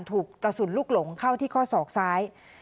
ถูกกระสุนลูกหลงเข้าที่ข้อศอกซ้าย